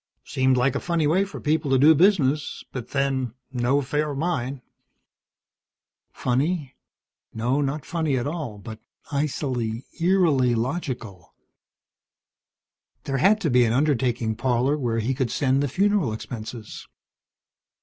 Seemed like a funny way for people to do business, but then, no affair of mine." Funny? No, not funny at all, but icily, eerily logical. There had to be an undertaking parlor where he could send the funeral expenses.